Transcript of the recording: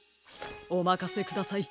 おまかせください。